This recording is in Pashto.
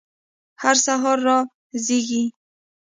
هر سهار را زیږي